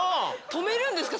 止めるんですか？